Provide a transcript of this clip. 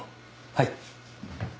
はい。